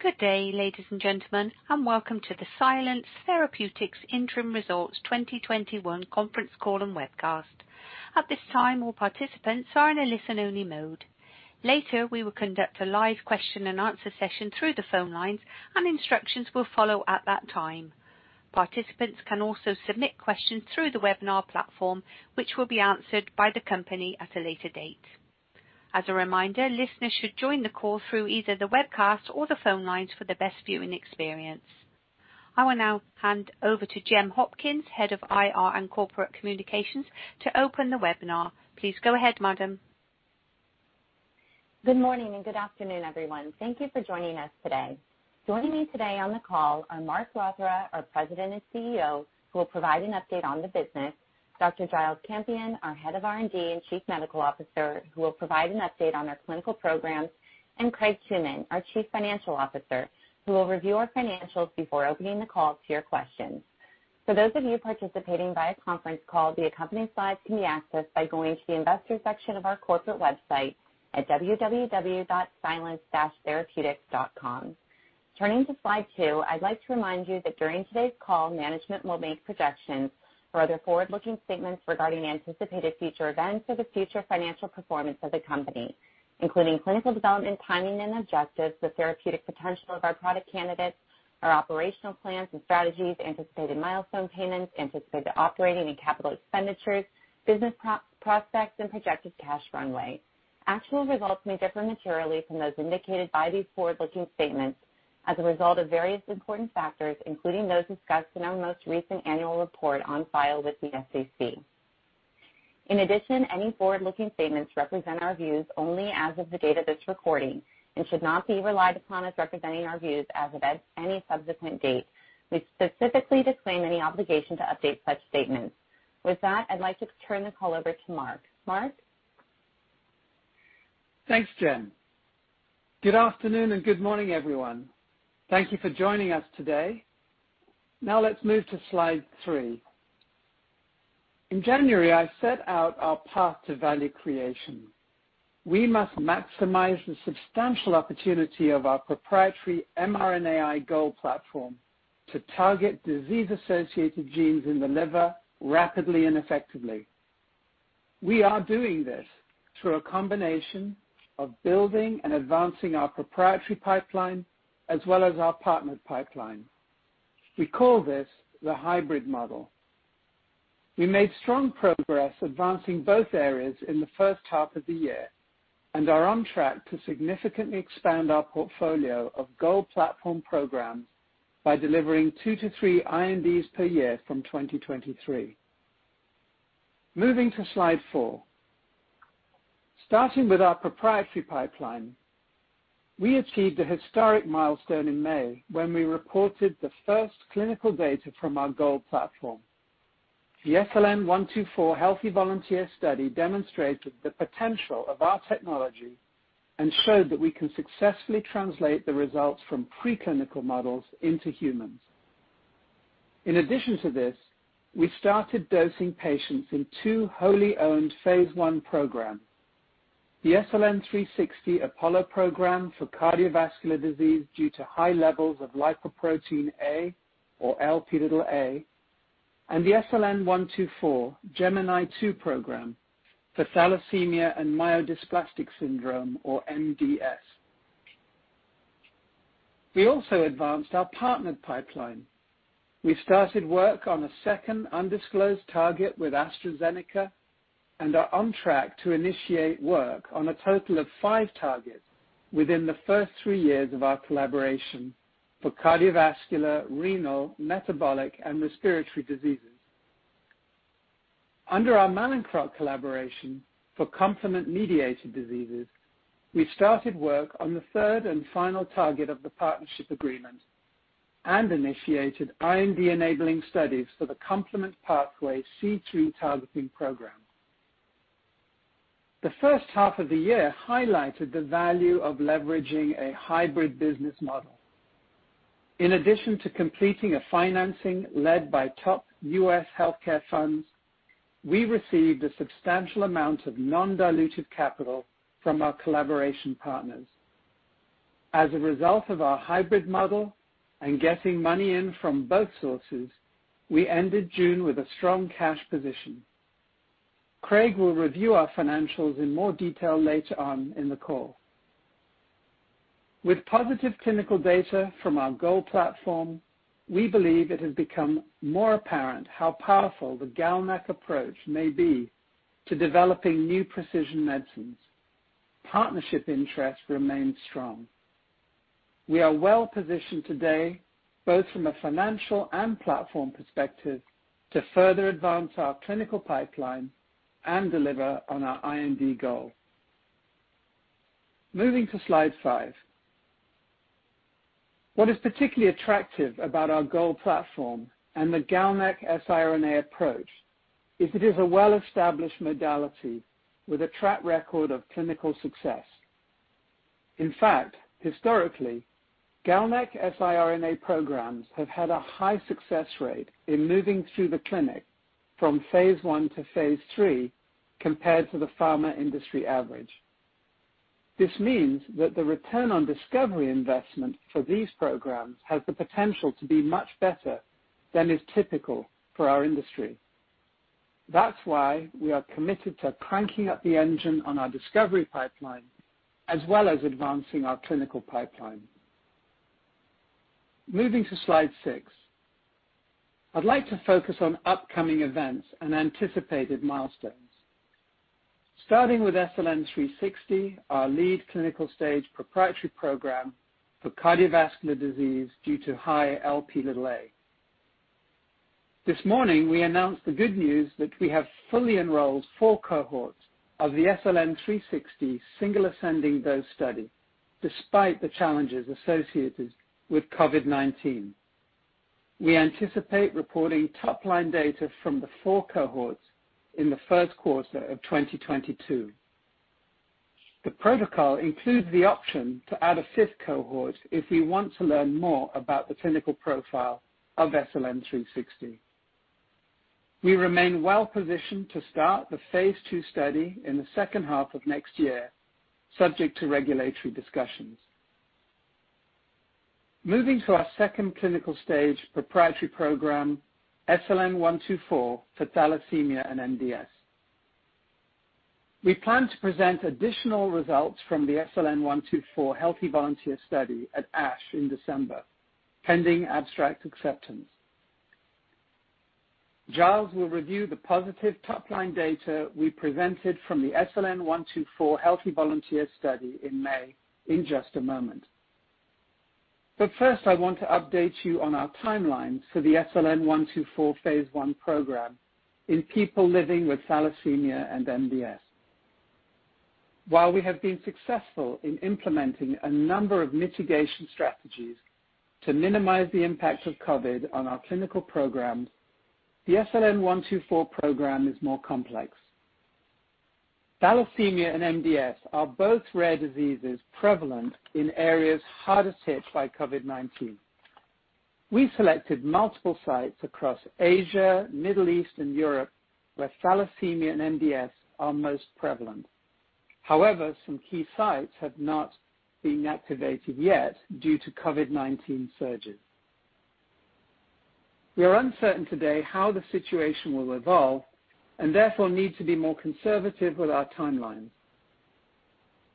Good day, ladies and gentlemen, and welcome to the Silence Therapeutics Interim Results 2021 conference call and webcast. At this time, all participants are in a listen only mode. Later, we will conduct a live question and answer session through the phone lines and instructions will follow at that time. Participants can also submit questions through the webinar platform, which will be answered by the company at a later date. As a reminder, listeners should join the call through either the webcast or the phone lines for the best viewing experience. I will now hand over to Gem Hopkins, Head of IR and Corporate Communications, to open the webinar. Please go ahead, madam. Good morning and good afternoon, everyone. Thank you for joining us today. Joining me today on the call are Mark Rothera, our President and CEO, who will provide an update on the business, Dr. Giles Campion, our Head of R&D and Chief Medical Officer, who will provide an update on our clinical programs, and Craig Tooman, our Chief Financial Officer, who will review our financials before opening the call to your questions. For those of you participating via conference call, the accompanying slides can be accessed by going to the investor section of our corporate website at www.silence-therapeutics.com. Turning to slide two, I'd like to remind you that during today's call, management will make projections or other forward-looking statements regarding anticipated future events or the future financial performance of the company, including clinical development, timing, and objectives, the therapeutic potential of our product candidates, our operational plans and strategies, anticipated milestone payments, anticipated operating and capital expenditures, business prospects and projected cash runway. Actual results may differ materially from those indicated by these forward-looking statements as a result of various important factors, including those discussed in our most recent annual report on file with the SEC. In addition, any forward-looking statements represent our views only as of the date of this recording and should not be relied upon as representing our views as of any subsequent date. We specifically disclaim any obligation to update such statements. With that, I'd like to turn the call over to Mark. Mark? Thanks, Gem. Good afternoon and good morning, everyone. Thank you for joining us today. Now let's move to slide three. In January, I set out our path to value creation. We must maximize the substantial opportunity of our proprietary mRNAi GOLD platform to target disease-associated genes in the liver rapidly and effectively. We are doing this through a combination of building and advancing our proprietary pipeline as well as our partnered pipeline. We call this the hybrid model. We made strong progress advancing both areas in the first half of the year and are on track to significantly expand our portfolio of GOLD platform programs by delivering two to three INDs per year from 2023. Moving to slide four. Starting with our proprietary pipeline, we achieved a historic milestone in May when we reported the first clinical data from our GOLD platform. The SLN-124 healthy volunteer study demonstrated the potential of our technology and showed that we can successfully translate the results from preclinical models into humans. In addition to this, we started dosing patients in two wholly owned phase I programs. The SLN-360 APOLLO program for cardiovascular disease due to high levels of lipoprotein(a) or Lp(a), and the SLN-124 GEMINI II program for thalassemia and myelodysplastic syndrome or MDS. We also advanced our partnered pipeline. We started work on a second undisclosed target with AstraZeneca and are on track to initiate work on a total of five targets within the first three years of our collaboration for cardiovascular, renal, metabolic, and respiratory diseases. Under our Mallinckrodt collaboration for complement-mediated diseases, we started work on the third and final target of the partnership agreement and initiated IND-enabling studies for the complement pathway C2 targeting program. The first half of the year highlighted the value of leveraging a hybrid business model. In addition to completing a financing led by top U.S. healthcare funds, we received a substantial amount of non-dilutive capital from our collaboration partners. As a result of our hybrid model and getting money in from both sources, we ended June with a strong cash position. Craig will review our financials in more detail later on in the call. With positive clinical data from our GOLD platform, we believe it has become more apparent how powerful the GalNAc approach may be to developing new precision medicines. Partnership interest remains strong. We are well positioned today, both from a financial and platform perspective, to further advance our clinical pipeline and deliver on our IND goal. Moving to slide five. What is particularly attractive about our GOLD platform and the GalNAc siRNA approach is it is a well-established modality with a track record of clinical success. In fact, historically, GalNAc siRNA programs have had a high success rate in moving through the clinic, from phase I to phase III, compared to the pharma industry average. This means that the return on discovery investment for these programs has the potential to be much better than is typical for our industry. That's why we are committed to cranking up the engine on our discovery pipeline, as well as advancing our clinical pipeline. Moving to slide six. I'd like to focus on upcoming events and anticipated milestones. Starting with SLN-360, our lead clinical stage proprietary program for cardiovascular disease due to high Lp(a). This morning, we announced the good news that we have fully enrolled four cohorts of the SLN-360 single-ascending dose study, despite the challenges associated with COVID-19. We anticipate reporting top-line data from the four cohorts in the first quarter of 2022. The protocol includes the option to add a fifth cohort if we want to learn more about the clinical profile of SLN-360. We remain well-positioned to start the phase II study in the second half of next year, subject to regulatory discussions. Moving to our second clinical stage proprietary program, SLN-124 for thalassemia and MDS. We plan to present additional results from the SLN-124 healthy volunteer study at ASH in December, pending abstract acceptance. Giles will review the positive top-line data we presented from the SLN-124 healthy volunteer study in May in just a moment. First, I want to update you on our timelines for the SLN-124 phase I program in people living with thalassemia and MDS. While we have been successful in implementing a number of mitigation strategies to minimize the impact of COVID-19 on our clinical programs, the SLN-124 program is more complex. Thalassemia and MDS are both rare diseases prevalent in areas hardest hit by COVID-19. We selected multiple sites across Asia, Middle East, and Europe, where thalassemia and MDS are most prevalent. However, some key sites have not been activated yet due to COVID-19 surges. We are uncertain today how the situation will evolve, and therefore need to be more conservative with our timelines.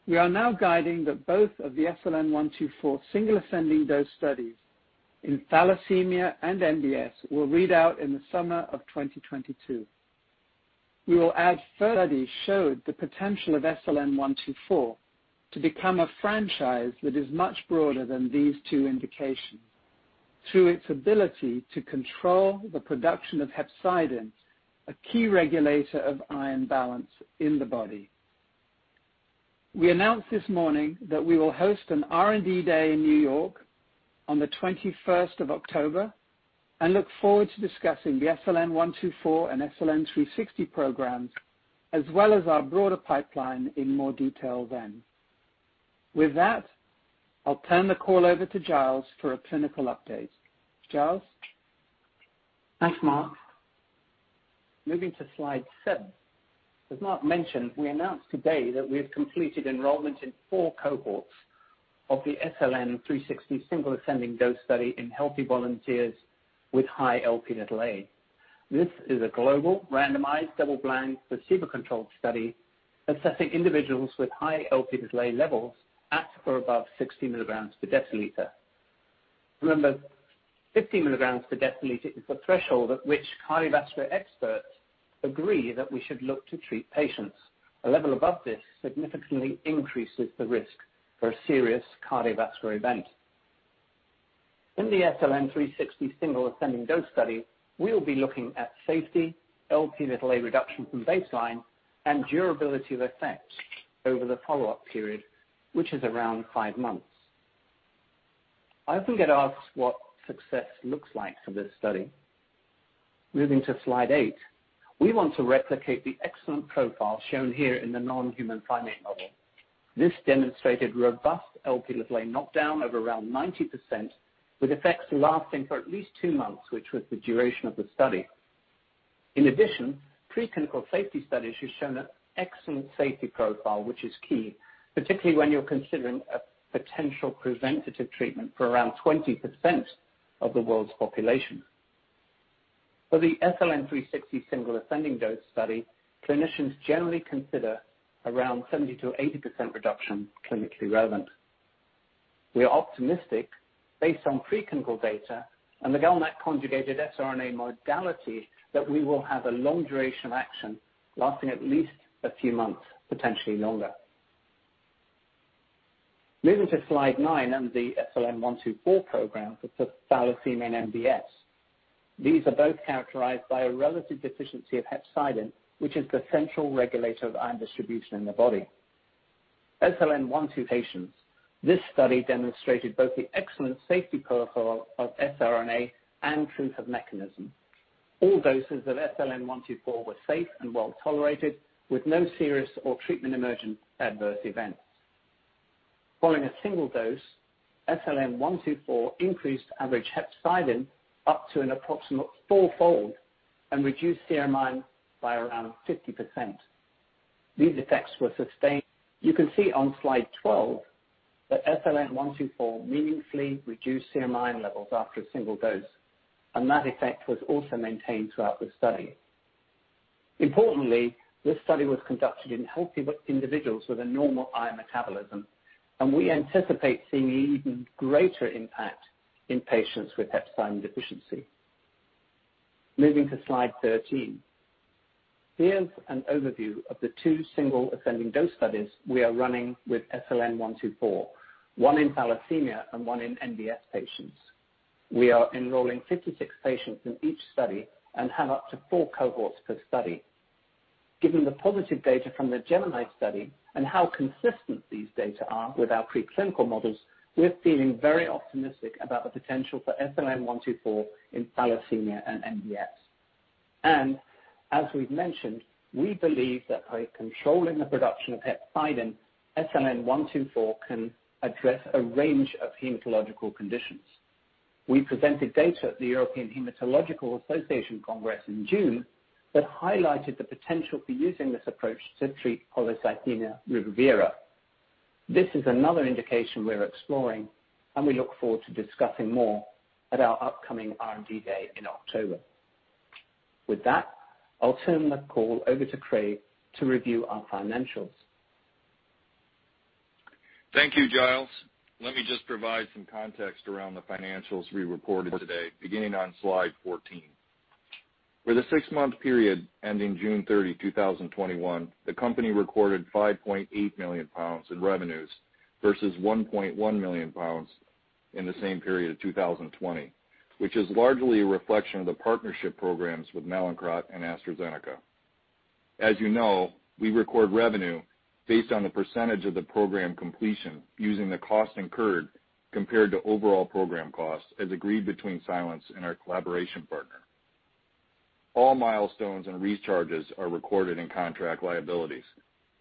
We are now guiding that both of the SLN-124 single-ascending dose studies in thalassemia and MDS will read out in the summer of 2022. We will add 30 showed the potential of SLN-124 to become a franchise that is much broader than these two indications, through its ability to control the production of hepcidin, a key regulator of iron balance in the body. We announced this morning that we will host an R&D day in New York on the 21st of October, look forward to discussing the SLN-124 and SLN-360 programs, as well as our broader pipeline in more detail then. With that, I'll turn the call over to Giles for a clinical update. Giles? Thanks, Mark. Moving to slide seven. As Mark mentioned, we announced today that we have completed enrollment in four cohorts of the SLN-360 single-ascending dose study in healthy volunteers with high Lp(a). This is a global randomized, double-blind, placebo-controlled study assessing individuals with high Lp(a) levels at or above 60 mg/dL. Remember, 50 mg/dL is the threshold at which cardiovascular experts agree that we should look to treat patients. A level above this significantly increases the risk for a serious cardiovascular event. In the SLN-360 single-ascending dose study, we'll be looking at safety, Lp(a) reduction from baseline, and durability of effect over the follow-up period, which is around five months. I often get asked what success looks like for this study. Moving to slide eight. We want to replicate the excellent profile shown here in the non-human primate model. This demonstrated robust Lp(a) knockdown of around 90%, with effects lasting for at least two months, which was the duration of the study. In addition, preclinical safety studies have shown an excellent safety profile, which is key, particularly when you're considering a potential preventative treatment for around 20% of the world's population. For the SLN-360 single-ascending dose study, clinicians generally consider around 70%-80% reduction clinically relevant. We are optimistic, based on preclinical data and the GalNAc conjugated siRNA modality, that we will have a long duration of action lasting at least a few months, potentially longer. Moving to slide nine and the SLN-124 program for thalassemia and MDS. These are both characterized by a relative deficiency of hepcidin, which is the central regulator of iron distribution in the body. SLN-124 patients. This study demonstrated both the excellent safety profile of siRNA and proof of mechanism. All doses of SLN-124 were safe and well-tolerated, with no serious or treatment-emergent adverse events. Following a single dose, SLN-124 increased average hepcidin up to an approximate four-fold and reduced serum iron by around 50%. These effects were sustained. You can see on slide 12 that SLN-124 meaningfully reduced serum iron levels after a single dose, and that effect was also maintained throughout the study. Importantly, this study was conducted in healthy individuals with a normal iron metabolism, and we anticipate seeing even greater impact in patients with hepcidin deficiency. Moving to slide 13. Here's an overview of the two single-ascending dose studies we are running with SLN-124, one in thalassemia and one in MDS patients. We are enrolling 56 patients in each study and have up to four cohorts per study. Given the positive data from the GEMINI study and how consistent these data are with our preclinical models, we're feeling very optimistic about the potential for SLN-124 in thalassemia and MDS. As we've mentioned, we believe that by controlling the production of hepcidin, SLN-124 can address a range of hematological conditions. We presented data at the European Hematology Association Congress in June that highlighted the potential for using this approach to treat polycythemia rubra vera. This is another indication we're exploring, and we look forward to discussing more at our upcoming R&D day in October. With that, I'll turn the call over to Craig to review our financials. Thank you, Giles. Let me just provide some context around the financials we reported today, beginning on slide 14. For the six-month period ending June 30, 2021, the company recorded 5.8 million pounds in revenues versus 1.1 million pounds in the same period of 2020, which is largely a reflection of the partnership programs with Mallinckrodt and AstraZeneca. As you know, we record revenue based on the percentage of the program completion using the cost incurred compared to overall program costs as agreed between Silence and our collaboration partner. All milestones and recharges are recorded in contract liabilities,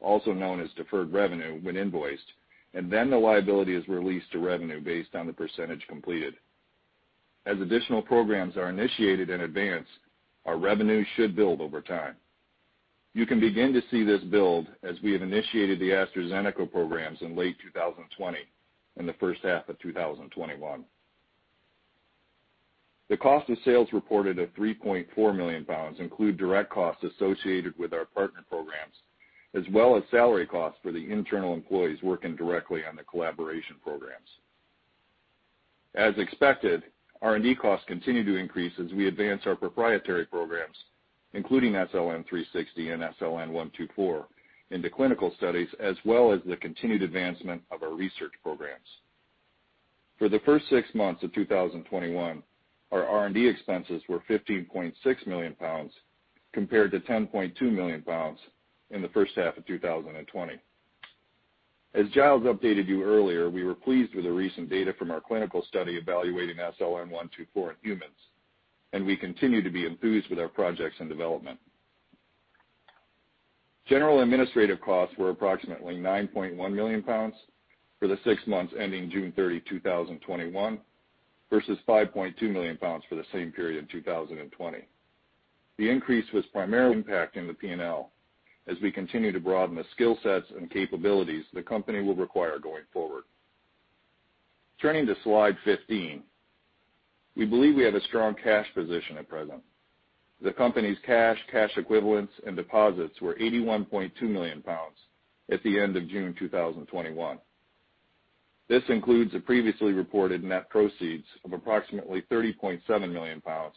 also known as deferred revenue when invoiced, then the liability is released to revenue based on the percentage completed. As additional programs are initiated in advance, our revenue should build over time. You can begin to see this build as we have initiated the AstraZeneca programs in late 2020 and the first half of 2021. The cost of sales reported at 3.4 million pounds include direct costs associated with our partner programs, as well as salary costs for the internal employees working directly on the collaboration programs. As expected, R&D costs continue to increase as we advance our proprietary programs, including SLN-360 and SLN-124, into clinical studies, as well as the continued advancement of our research programs. For the first six months of 2021, our R&D expenses were 15.6 million pounds, compared to 10.2 million pounds in the first half of 2020. As Giles updated you earlier, we were pleased with the recent data from our clinical study evaluating SLN-124 in humans, and we continue to be enthused with our projects and development. General administrative costs were approximately 9.1 million pounds for the six months ending June 30, 2021, versus 5.2 million pounds for the same period in 2020. The increase was primarily impacting the P&L as we continue to broaden the skill sets and capabilities the company will require going forward. Turning to slide 15. We believe we have a strong cash position at present. The company's cash equivalents, and deposits were 81.2 million pounds at the end of June 2021. This includes the previously reported net proceeds of approximately 30.7 million pounds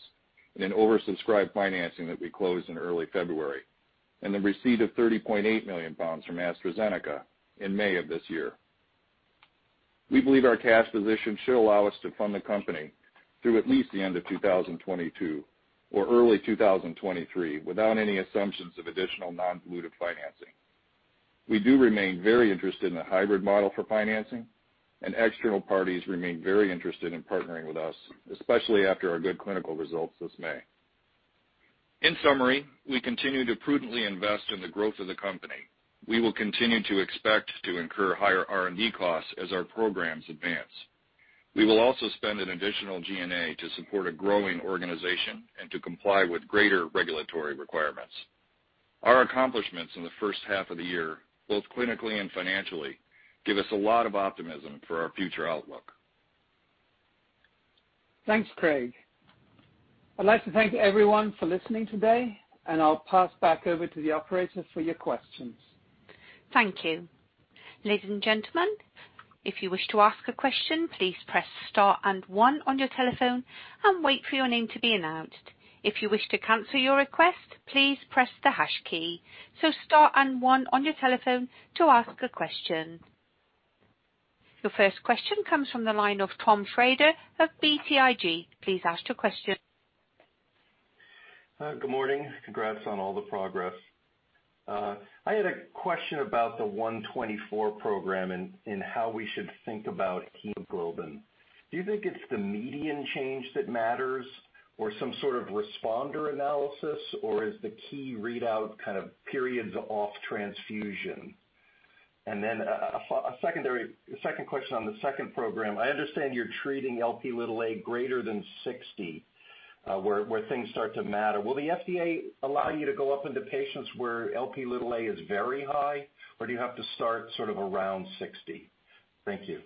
in an oversubscribed financing that we closed in early February, and the receipt of 30.8 million pounds from AstraZeneca in May of this year. We believe our cash position should allow us to fund the company through at least the end of 2022 or early 2023 without any assumptions of additional non-dilutive financing. We do remain very interested in a hybrid model for financing, external parties remain very interested in partnering with us, especially after our good clinical results this May. In summary, we continue to prudently invest in the growth of the company. We will continue to expect to incur higher R&D costs as our programs advance. We will also spend an additional G&A to support a growing organization and to comply with greater regulatory requirements. Our accomplishments in the first half of the year, both clinically and financially, give us a lot of optimism for our future outlook. Thanks, Craig. I'd like to thank everyone for listening today, and I'll pass back over to the operator for your questions. Thank you. Ladies and gentlemen, if you wish to ask a question, please press star and one on your telephone and wait for your name to be announced. If you wish to cancel your request, please press the hash key. So star and one on your telephone to ask a question. Your first question comes from the line of Tom Shrader of BTIG. Please ask your question. Good morning. Congrats on all the progress. I had a question about the 124 program and how we should think about hemoglobin. Do you think it's the median change that matters? Or some sort of responder analysis, or is the key readout periods off transfusion? A second question on the second program. I understand you're treating Lp(a) greater than 60, where things start to matter. Will the FDA allow you to go up into patients where Lp(a) is very high, or do you have to start around 60? Thank you.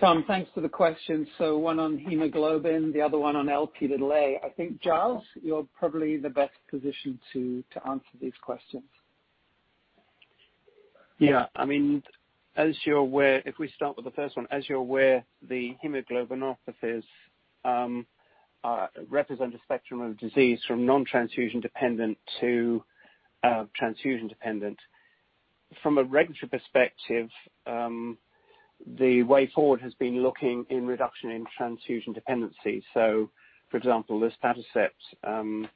Tom, thanks for the question. One on hemoglobin, the other one on Lp(a). I think, Giles, you're probably in the best position to answer these questions. If we start with the first one, as you're aware, the hemoglobinopathies represent a spectrum of disease from non-transfusion dependent to transfusion dependent. From a regulatory perspective, the way forward has been looking in reduction in transfusion dependency. For example, the luspatercept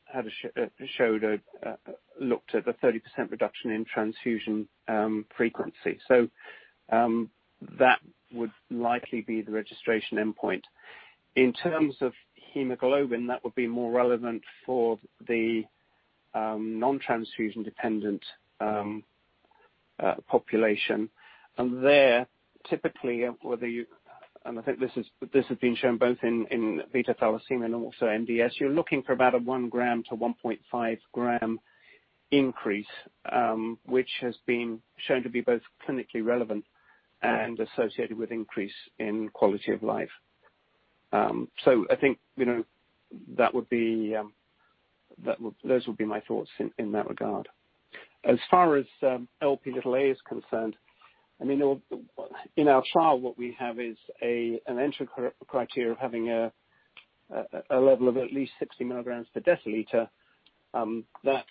looked at a 30% reduction in transfusion frequency. That would likely be the registration endpoint. In terms of hemoglobin, that would be more relevant for the non-transfusion dependent population. There, typically, and I think this has been shown both in beta thalassemia and also MDS, you're looking for about a 1 g-1.5 g increase, which has been shown to be both clinically relevant and associated with increase in quality of life. I think those would be my thoughts in that regard. As far as Lp(a) is concerned, in our trial, what we have is an entry criteria of having a level of at least 60 mg/dL. That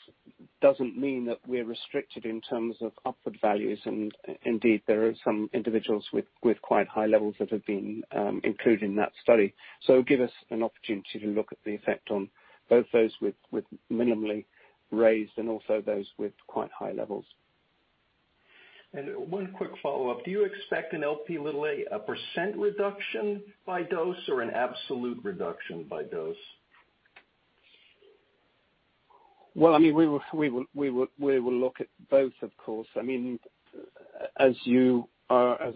doesn't mean that we're restricted in terms of upward values, and indeed, there are some individuals with quite high levels that have been included in that study. It'll give us an opportunity to look at the effect on both those with minimally raised and also those with quite high levels. One quick follow-up. Do you expect an Lp(a) percent reduction by dose or an absolute reduction by dose? We will look at both, of course. As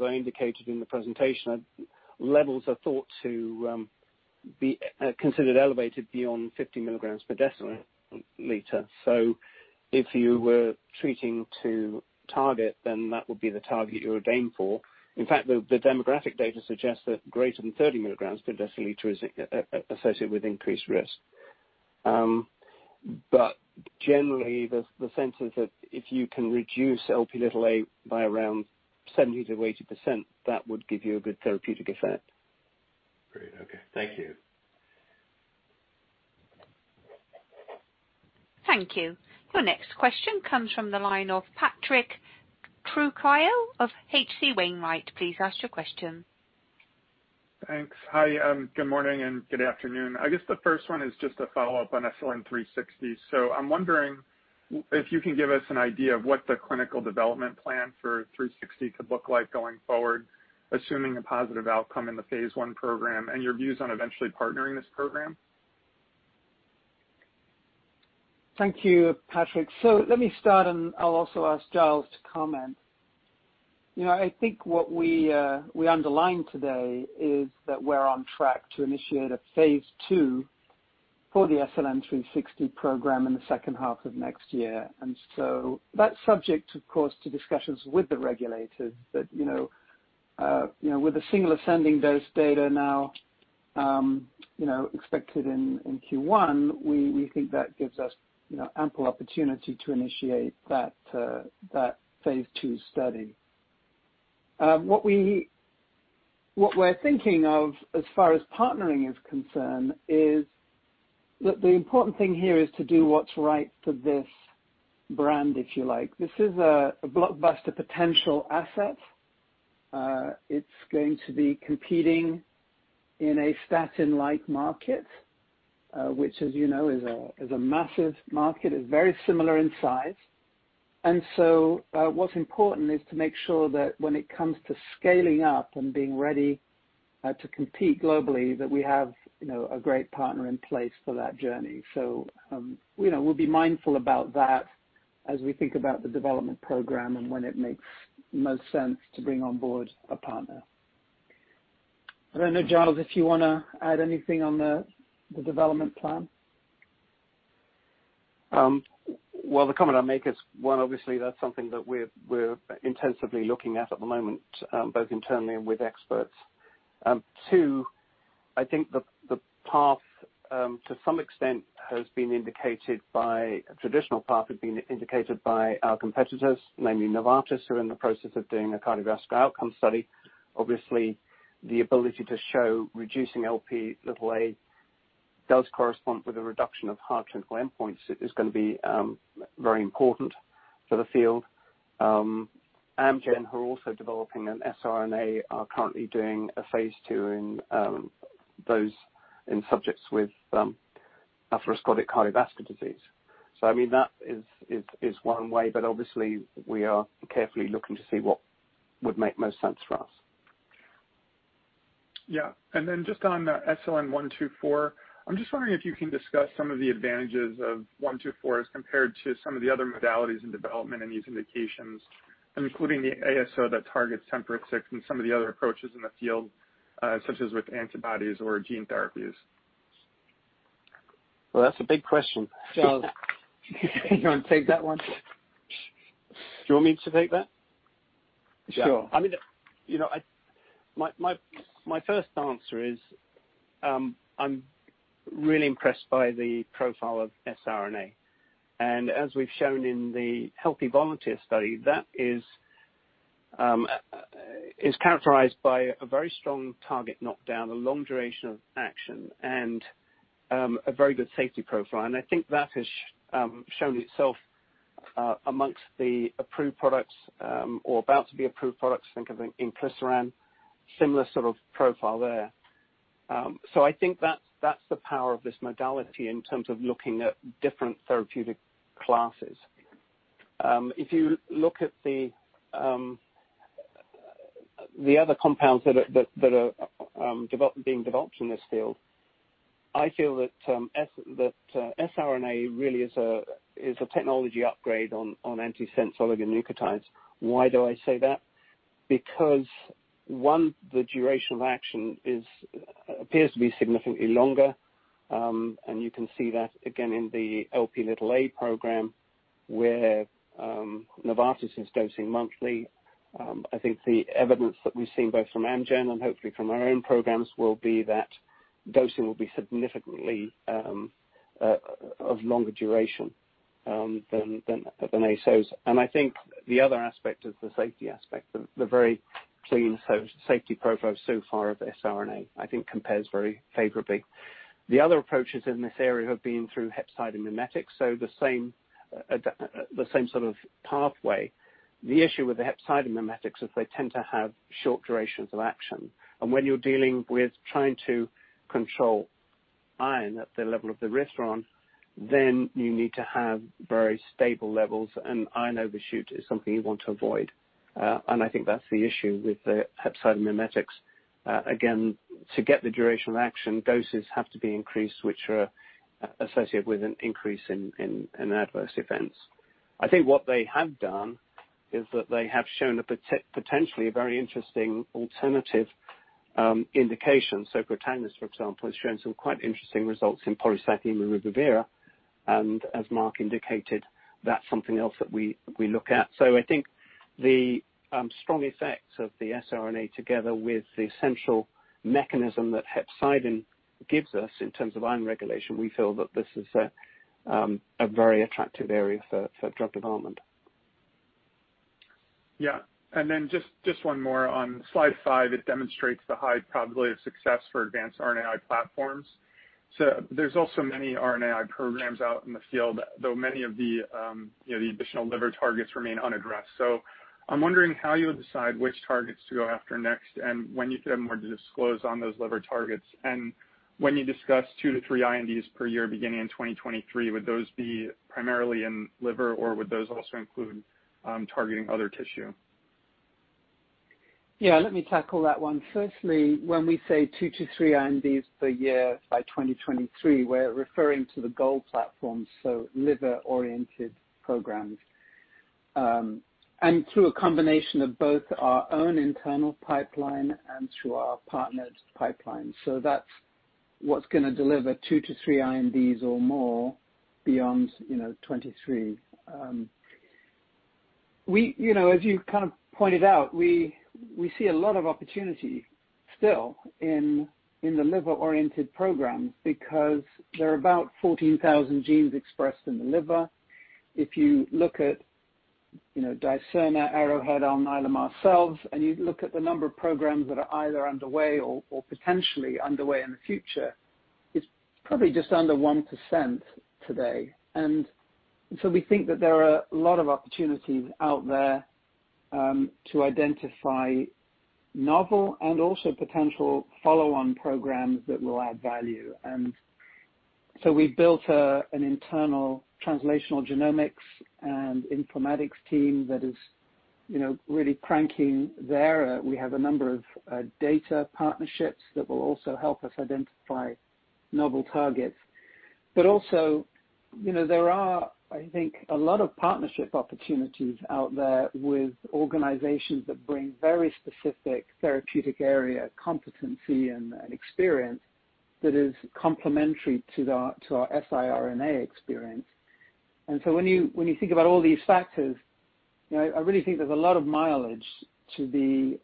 I indicated in the presentation, levels are thought to be considered elevated beyond 50 mg/dL. If you were treating to target, that would be the target you would aim for. In fact, the demographic data suggests that greater than 30 mg/dL is associated with increased risk. Generally, the sense is that if you can reduce Lp(a) by around 70%-80%, that would give you a good therapeutic effect. Great. Okay. Thank you. Thank you. Your next question comes from the line of Patrick Trucchio of H.C. Wainwright. Please ask your question. Thanks. Hi, good morning and good afternoon. I guess the first one is just a follow-up on SLN-360. I'm wondering if you can give us an idea of what the clinical development plan for 360 could look like going forward, assuming a positive outcome in the phase I program, and your views on eventually partnering this program. Thank you, Patrick. Let me start and I'll also ask Giles to comment. I think what we underlined today is that we're on track to initiate a phase II for the SLN-360 program in the second half of next year. That's subject, of course, to discussions with the regulators. With the single ascending dose data now expected in Q1, we think that gives us ample opportunity to initiate that phase II study. What we're thinking of as far as partnering is concerned is that the important thing here is to do what's right for this brand, if you like. This is a blockbuster potential asset. It's going to be competing in a statin-like market, which as you know, is a massive market, is very similar in size. What's important is to make sure that when it comes to scaling up and being ready to compete globally, that we have a great partner in place for that journey. We'll be mindful about that as we think about the development program and when it makes most sense to bring on board a partner. I don't know, Giles, if you want to add anything on the development plan. Well, the comment I'll make is, one, obviously, that's something that we're intensively looking at at the moment, both internally and with experts. Two, I think the path to some extent has been indicated by a traditional path, has been indicated by our competitors, namely Novartis, who are in the process of doing a cardiovascular outcome study. Obviously, the ability to show reducing Lp(a) does correspond with a reduction of hard clinical endpoints is going to be very important for the field. Amgen, who are also developing an siRNA, are currently doing a phase II in those in subjects with atherosclerotic cardiovascular disease. I mean, that is one way, but obviously we are carefully looking to see what would make most sense for us. Yeah. Just on the SLN-124, I'm just wondering if you can discuss some of the advantages of 124 as compared to some of the other modalities in development in these indications, including the ASO that targets TMPRSS6 and some of the other approaches in the field, such as with antibodies or gene therapies. Well, that's a big question. You want to take that one? Do you want me to take that? Sure. I mean, my first answer is, I'm really impressed by the profile of siRNA. As we've shown in the healthy volunteer study, that is characterized by a very strong target knockdown, a long duration of action, and a very good safety profile. I think that has shown itself amongst the approved products, or about to be approved products, think of inclisiran, similar sort of profile there. I think that's the power of this modality in terms of looking at different therapeutic classes. If you look at the other compounds that are being developed in this field, I feel that siRNA really is a technology upgrade on antisense oligonucleotides. Why do I say that? One, the duration of action appears to be significantly longer. You can see that, again in the Lp(a) program where, Novartis is dosing monthly. I think the evidence that we've seen both from Amgen and hopefully from our own programs will be that dosing will be significantly of longer duration than ASOs. I think the other aspect is the safety aspect. The very clean safety profile so far of siRNA, I think compares very favorably. The other approaches in this area have been through hepcidin mimetics, so the same sort of pathway. The issue with the hepcidin mimetics is they tend to have short durations of action. When you're dealing with trying to control iron at the level of the reticulocyte, then you need to have very stable levels, and iron overshoot is something you want to avoid. I think that's the issue with the hepcidin mimetics. Again, to get the duration of action, doses have to be increased, which are associated with an increase in adverse events. I think what they have done is that they have shown potentially a very interesting alternative indication. Protagonist, for example, has shown some quite interesting results in polycythemia rubra vera, and as Mark indicated, that's something else that we look at. I think the strong effects of the siRNA together with the essential mechanism that hepcidin gives us in terms of iron regulation, we feel that this is a very attractive area for drug development. Yeah. Just one more on slide five, it demonstrates the high probability of success for advanced RNAi platforms. There's also many RNAi programs out in the field, though many of the additional liver targets remain unaddressed. I'm wondering how you would decide which targets to go after next, and when you could have more to disclose on those liver targets. When you discuss two to three INDs per year beginning in 2023, would those be primarily in liver or would those also include targeting other tissue? Yeah, let me tackle that one. Firstly, when we say two to three INDs per year by 2023, we're referring to the GOLD platform, so liver-oriented programs. Through a combination of both our own internal pipeline and through our partners' pipeline. That's what's going to deliver two to three INDs or more beyond 2023. As you pointed out, we see a lot of opportunity still in the liver-oriented programs because there are about 14,000 genes expressed in the liver. If you look at Dicerna, Arrowhead, Alnylam, ourselves, and you look at the number of programs that are either underway or potentially underway in the future, it's probably just under 1% today. We think that there are a lot of opportunities out there, to identify novel and also potential follow-on programs that will add value. We've built an internal translational genomics and informatics team that is really cranking there. We have a number of data partnerships that will also help us identify novel targets. Also, there are, I think, a lot of partnership opportunities out there with organizations that bring very specific therapeutic area competency and experience that is complementary to our siRNA experience. When you think about all these factors, I really think there's a lot of mileage to be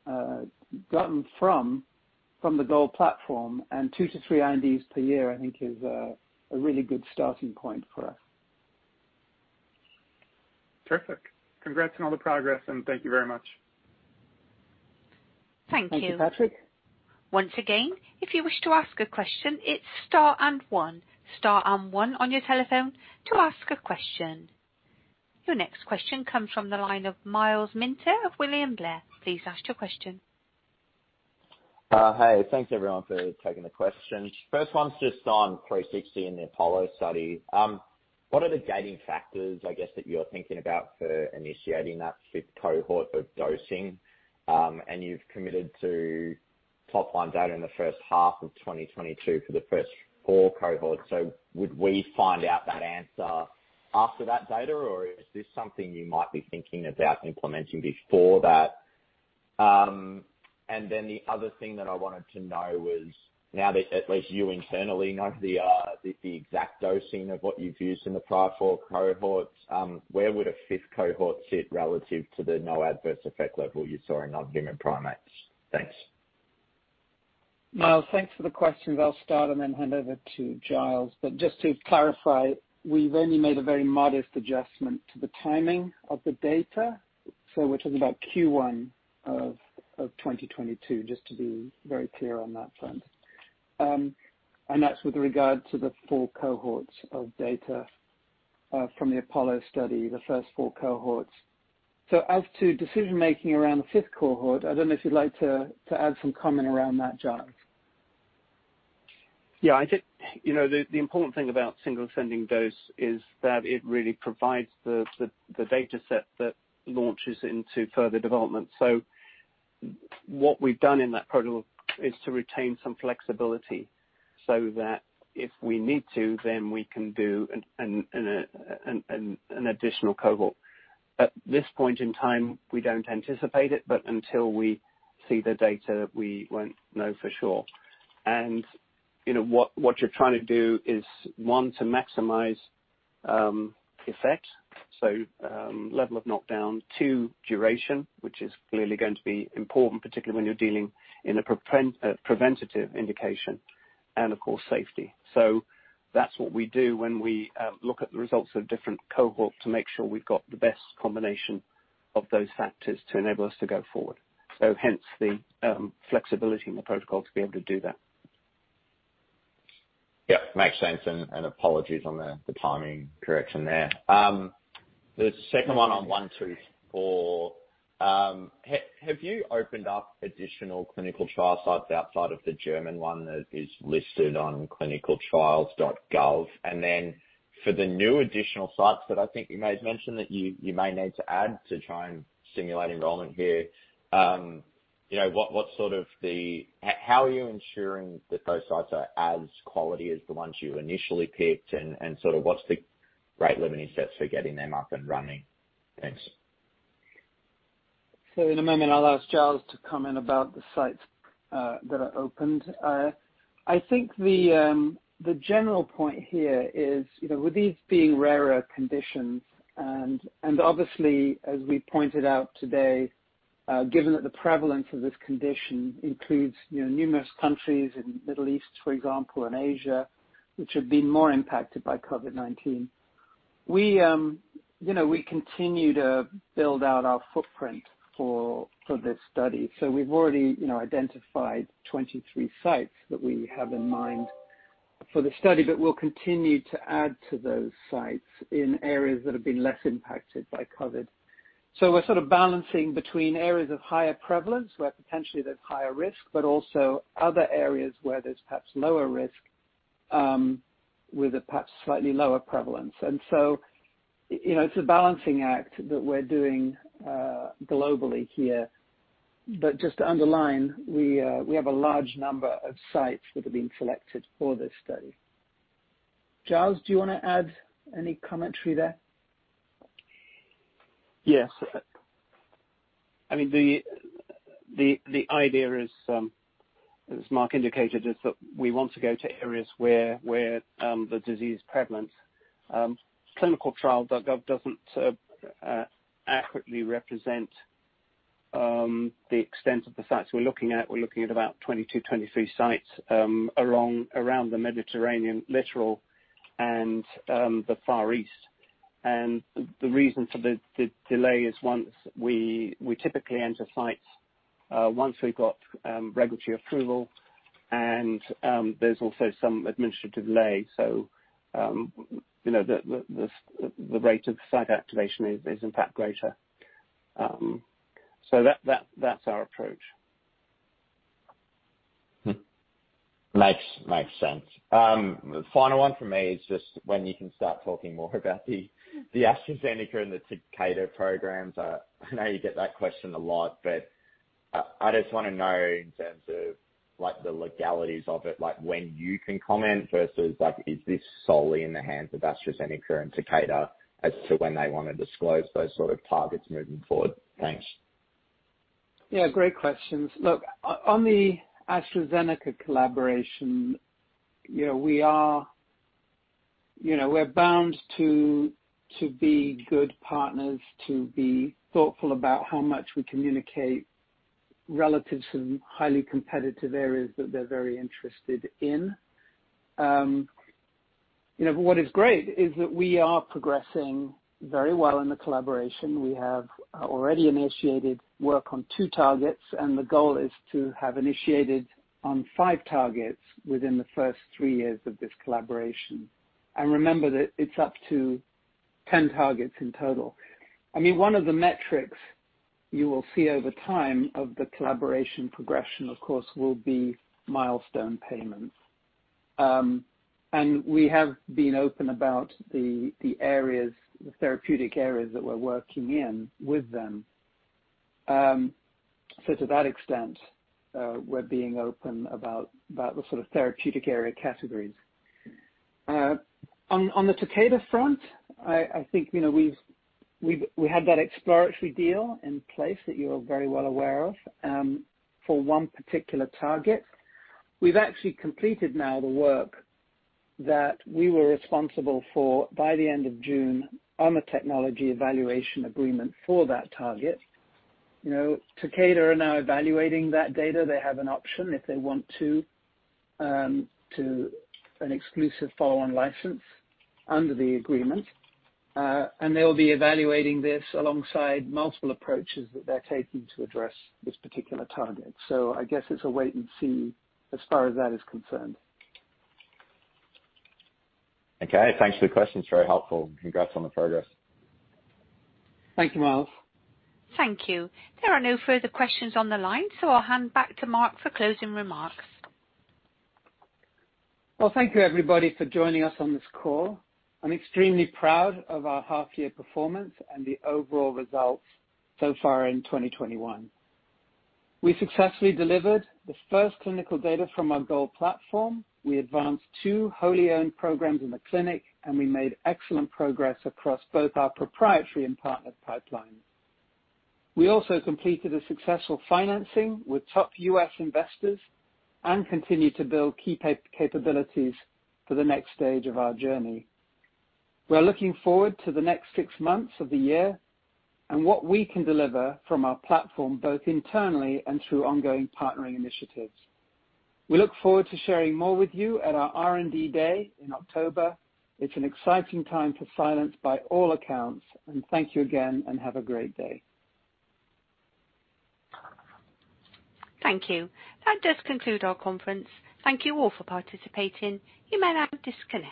gotten from the GOLD platform, and two to three INDs per year, I think is a really good starting point for us. Terrific. Congrats on all the progress, and thank you very much. Thank you. Thank you, Patrick. `Once again, if you wish to ask a question, it's star and one. Star and one on your telephone to ask a question. Your next question comes from the line of Myles Minter of William Blair. Please ask your question. Hi. Thanks everyone for taking the questions. First one's just on 360 and the APOLLO study. What are the guiding factors, I guess, that you're thinking about for initiating that fifth cohort of dosing? You've committed to top-line data in the first half of 2022 for the first four cohorts, would we find out that answer after that data, or is this something you might be thinking about implementing before that? The other thing that I wanted to know was, now that at least you internally know the exact dosing of what you've used in the prior four cohorts, where would a fifth cohort sit relative to the no adverse effect level you saw in non-human primates? Thanks. Myles, thanks for the questions. I'll start and then hand over to Giles. Just to clarify, we've only made a very modest adjustment to the timing of the data. We're talking about Q1 2022, just to be very clear on that front. That's with regard to the four cohorts of data from the APOLLO study, the first four cohorts. As to decision-making around the fifth cohort, I don't know if you'd like to add some comment around that, Giles. Yeah. I think the important thing about single ascending dose is that it really provides the data set that launches into further development. What we've done in that protocol is to retain some flexibility so that if we need to, then we can do an additional cohort. At this point in time, we don't anticipate it, but until we see the data, we won't know for sure. What you're trying to do is, one, to maximize effect, so level of knockdown. Two, duration, which is clearly going to be important, particularly when you're dealing in a preventative indication. Of course, safety. That's what we do when we look at the results of different cohorts to make sure we've got the best combination of those factors to enable us to go forward. Hence the flexibility in the protocol to be able to do that. Yeah, makes sense. Apologies on the timing correction there. The second one on 124. Have you opened up additional clinical trial sites outside of the German one that is listed on clinicaltrials.gov? For the new additional sites that I think you may have mentioned that you may need to add to try and stimulate enrollment here, how are you ensuring that those sites are as quality as the ones you initially picked and sort of what's the rate limiting steps for getting them up and running? Thanks. In a moment, I'll ask Giles to comment about the sites that are opened. I think the general point here is, with these being rarer conditions and obviously as we pointed out today, given that the prevalence of this condition includes numerous countries in Middle East, for example, and Asia, which have been more impacted by COVID-19. We continue to build out our footprint for this study. We've already identified 23 sites that we have in mind for the study, but we'll continue to add to those sites in areas that have been less impacted by COVID. We're sort of balancing between areas of higher prevalence, where potentially there's higher risk, but also other areas where there's perhaps lower risk, with a perhaps slightly lower prevalence. It's a balancing act that we're doing globally here. Just to underline, we have a large number of sites that are being selected for this study. Giles, do you want to add any commentary there? Yes. The idea is, as Mark indicated, is that we want to go to areas where the disease is prevalent. clinicaltrials.gov doesn't accurately represent the extent of the sites we're looking at. We're looking at about 22, 23 sites around the Mediterranean littoral and the Far East. The reason for the delay is we typically enter sites once we've got regulatory approval and there's also some administrative delay. The rate of site activation is in fact greater. That's our approach. Makes sense. Final one from me is just when you can start talking more about the AstraZeneca and the Takeda programs. I know you get that question a lot, but I just want to know in terms of the legalities of it, when you can comment versus is this solely in the hands of AstraZeneca and Takeda as to when they want to disclose those sort of targets moving forward? Thanks. Yeah, great questions. Look, on the AstraZeneca collaboration, we're bound to be good partners, to be thoughtful about how much we communicate relative to the highly competitive areas that they're very interested in. What is great is that we are progressing very well in the collaboration. We have already initiated work on two targets, and the goal is to have initiated on five targets within the first three years of this collaboration. Remember that it's up to 10 targets in total. One of the metrics you will see over time of the collaboration progression, of course, will be milestone payments. We have been open about the therapeutic areas that we're working in with them. To that extent, we're being open about the sort of therapeutic area categories. On the Takeda front, I think we had that exploratory deal in place that you're very well aware of, for one particular target. We've actually completed now the work that we were responsible for by the end of June on the technology evaluation agreement for that target. Takeda are now evaluating that data. They have an option if they want to an exclusive follow-on license under the agreement. They'll be evaluating this alongside multiple approaches that they're taking to address this particular target. I guess it's a wait-and-see, as far as that is concerned. Okay. Thanks for the questions, very helpful. Congrats on the progress. Thank you, Myles. Thank you. There are no further questions on the line, so I will hand back to Mark for closing remarks. Well, thank you everybody for joining us on this call. I'm extremely proud of our half-year performance and the overall results so far in 2021. We successfully delivered the first clinical data from our GOLD platform. We advanced two wholly-owned programs in the clinic, and we made excellent progress across both our proprietary and partnered pipelines. We also completed a successful financing with top U.S. investors and continued to build key capabilities for the next stage of our journey. We are looking forward to the next six months of the year and what we can deliver from our platform, both internally and through ongoing partnering initiatives. We look forward to sharing more with you at our R&D day in October. It's an exciting time for Silence by all accounts, and thank you again, and have a great day. Thank you. That does conclude our conference. Thank you all for participating. You may now disconnect.